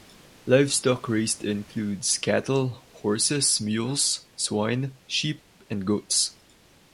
Livestock raised includes cattle, horses, mules, swine, sheep and goats.